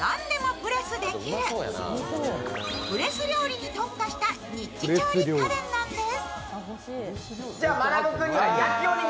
プレス料理に特化したニッチ調理家電なんです。